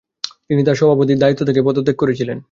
তিনি তার সভাপতির দায়িত্ব থেকে পদত্যাগ করেছিলেন।